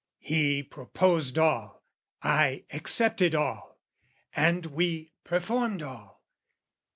He proposed all, I accepted all, And we performed all.